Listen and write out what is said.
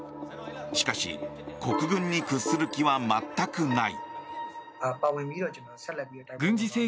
しかし、国軍に屈する気は全くない。